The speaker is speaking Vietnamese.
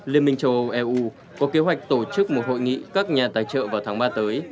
liên minh châu âu eu có kế hoạch tổ chức một hội nghị các nhà tài trợ vào tháng ba tới